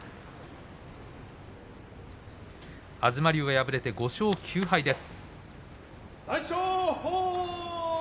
東龍は敗れて５勝９敗です。